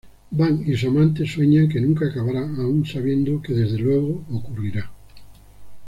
Van y su amante "sueñan que nunca acabará", aún sabiendo que desde luego ocurrirá".